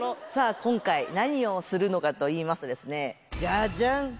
今回、何をするのかといいますとですね、じゃじゃん。